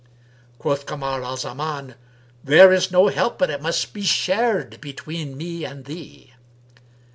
Quoth Kamar al Zaman, "There is no help but it must be shared between me and thee."